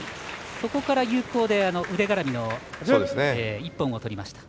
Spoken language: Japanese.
そこから有効で腕がらみの一本をとりました。